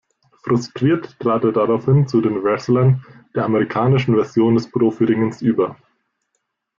Frustriert trat er daraufhin zu den Wrestlern, der amerikanischen Version des Profi-Ringens, über.